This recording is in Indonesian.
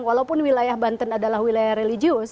walaupun wilayah banten adalah wilayah religius